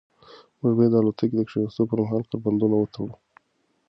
موږ باید د الوتکې د کښېناستو پر مهال کمربندونه وتړو.